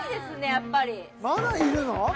やっぱりまだいるの？